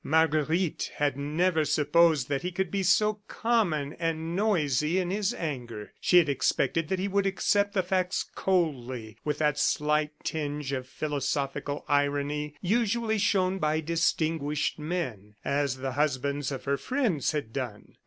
Marguerite had never supposed that he could be so common and noisy in his anger. She had expected that he would accept the facts coldly with that slight tinge of philosophical irony usually shown by distinguished men, as the husbands of her friends had done.